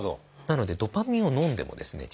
なのでドパミンをのんでもですね